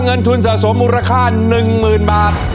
เงินทุนสะสมมูลค่า๑๐๐๐บาท